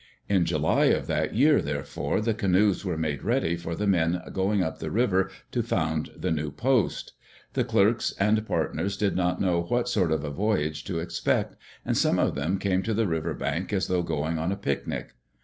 In July of that year, therefore, the canoes were made ready for the men going up the river to found the new post. The clerks and partners did not know what sort of a voyage to expect, and some of them came to the river bank as though going on a picnic.